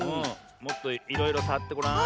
もっといろいろさわってごらん。